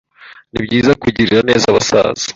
Nibyiza kugirira neza abasaza.